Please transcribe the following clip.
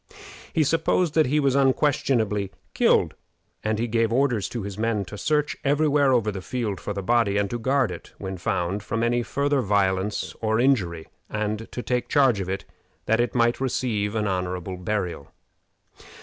He supposed that he was unquestionably killed, and he gave orders to his men to search every where over the field for the body, and to guard it, when found, from any farther violence or injury, and take charge of it, that it might receive an honorable burial.